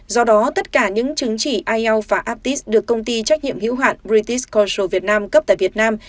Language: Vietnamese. do đó tất cả những chứng chỉ ielts và aptis được công ty trách nhiệm hiếu hạn british cultural vietnam cấp tại việt nam